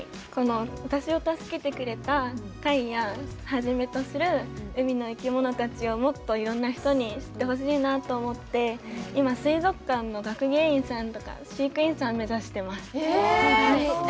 私を助けてくれた貝をはじめとする海の生き物たちをもっといろんな人たちに知ってほしいなと思って今、水族館の学芸員さんとか飼育員さんを目指しています。